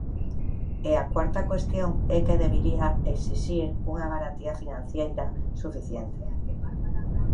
E a cuarta cuestión é que debería exixir unha garantía financeira suficiente.